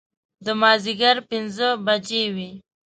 د مازدیګر پنځه بجې وې.